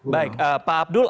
baik pak abdul